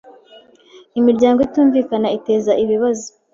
Imiryango itumvikana iteza ibibazo